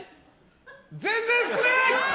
全然少ない！